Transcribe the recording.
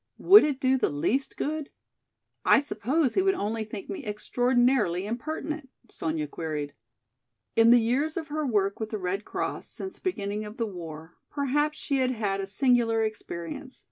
Would it do the least good? I suppose he would only think me extraordinarily impertinent?" Sonya queried. In the years of her work with the Red Cross since the beginning of the war perhaps she had had a singular experience.